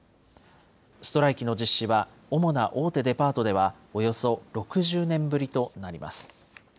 ストライキの実施は主な大手デパートではおよそ６０年ぶりとなります。